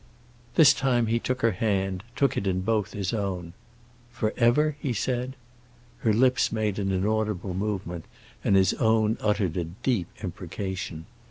This time he took her hand, took it in both his own. "Forever?" he said. Her lips made an inaudible movement and his own uttered a deep imprecation.